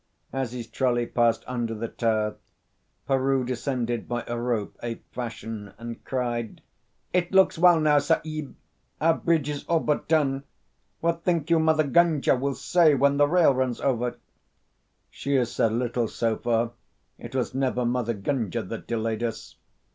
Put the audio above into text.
As his trolley passed under the tower, Peroo descended by a rope, ape fashion, and cried: "It looks well now, Sahib. Our bridge is all but done. What think you Mother Gunga will say when the rail runs over?" "She has said little so far. It was never Mother Gunga that delayed us."